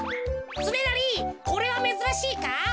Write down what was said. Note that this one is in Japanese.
つねなりこれはめずらしいか？